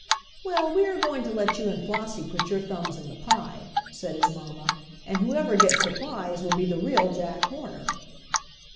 "Well, we are going to let you and Flossie put your thumbs in the pie," said his mamma, "and whoever gets the prize will be the real Jack Horner."